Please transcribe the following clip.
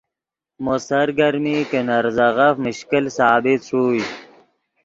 مو سرگرمی کہ نے ریزغف مشکل ثابت ݰوئے